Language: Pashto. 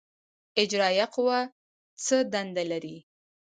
اجرائیه قوه څه دنده لري؟